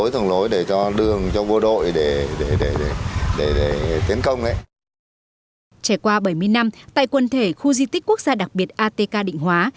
trẻ qua bảy mươi năm tại quân thể khu di tích quốc gia đặc biệt atk định hóa